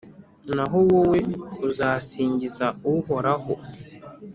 Naho wowe uzasingiza Uhoraho,